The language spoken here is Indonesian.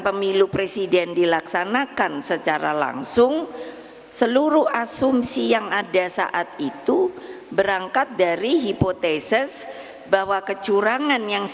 pemilu ini juga menyedihkan